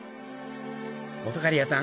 本仮屋さん